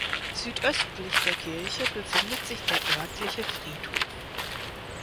Südöstlich der Kirche befindet sich der örtliche Friedhof.